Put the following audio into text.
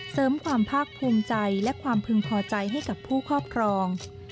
เสริมความภาคภูมิใจและความพึงพอใจให้กับผู้ครอบครอง